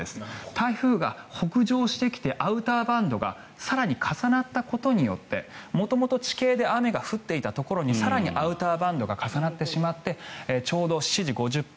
台風が北上してきてアウターバンドが更に重なったことによって元々、地形で雨が降っていたところに更にアウターバンドが重なってしまってちょうど７時５０分